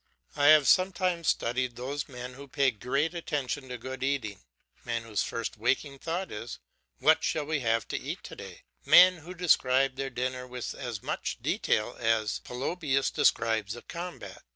I have sometimes studied those men who pay great attention to good eating, men whose first waking thought is What shall we have to eat to day? men who describe their dinner with as much detail as Polybius describes a combat.